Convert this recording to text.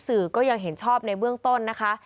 สื่อก็ยังเห็นชอบในเบื้องต้นนะคะ